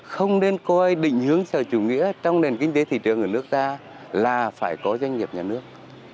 không nên coi định hướng sở chủ nghĩa trong nền kinh tế thị trường ở nước ta là phải có doanh nghiệp nhà nước